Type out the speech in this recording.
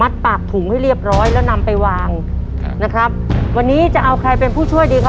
สองสามสี่ห้าหกครบแล้วพ่อเก็บแปลก